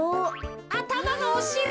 あたまのおしり。